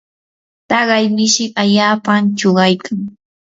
taqay mishi allaapam chuqaykan.